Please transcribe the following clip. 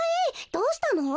どうしたの？